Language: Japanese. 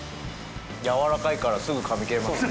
やわらかいからすぐ噛み切れますね。